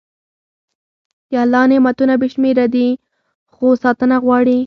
د الله نعمتونه بې شمېره دي، خو ساتنه غواړي.